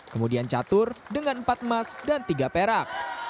kemudian catur dengan empat emas dan tiga perak